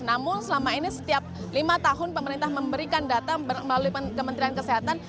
namun selama ini setiap lima tahun pemerintah memberikan data melalui kementerian kesehatan